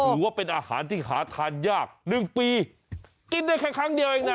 ถือว่าเป็นอาหารที่หาทานยากหนึ่งปีกินได้แค่ครั้งเดียวเองนะ